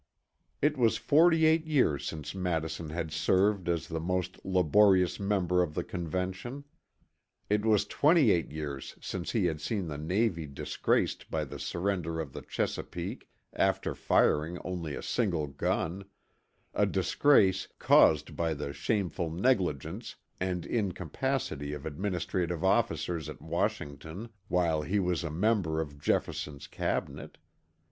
It was 48 years since Madison had served as the most laborious member of the Convention. It was 28 years since he had seen the Navy disgraced by the surrender of the Chesapeake after firing only a single gun a disgrace caused by the shameful negligence and incapacity of administrative officers at Washington while he was a member of Jefferson's Cabinet.